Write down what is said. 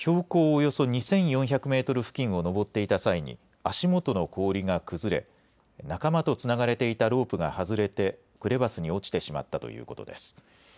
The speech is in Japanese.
およそ２４００メートル付近を登っていた際に、足元の氷が崩れ、仲間とつながれていたロープが外れて、クレバスに落ちてしまったということです。